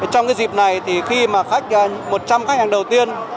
trong cái dịp này thì khi mà khách một trăm linh khách hàng đầu tiên